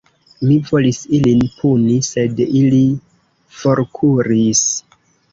Mi volis ilin puni, sed ili forkuris.